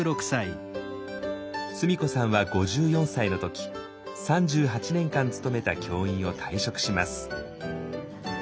須美子さんは５４歳の時３８年間勤めた教員を退職します。